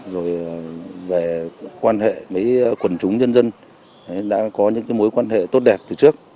rồi về quan hệ với quần chúng nhân dân đã có những mối quan hệ tốt đẹp từ trước